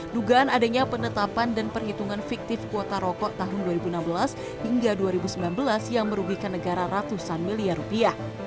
dugaan adanya penetapan dan perhitungan fiktif kuota rokok tahun dua ribu enam belas hingga dua ribu sembilan belas yang merugikan negara ratusan miliar rupiah